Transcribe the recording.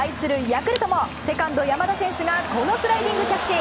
ヤクルトもセカンド、山田選手がこのスライディングキャッチ。